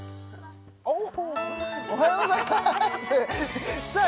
おっおはようございますさあ